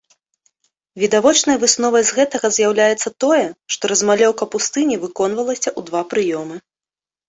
Відавочнай высновай з гэтага з'яўляецца тое, што размалёўка пустыні выконвалася ў два прыёмы.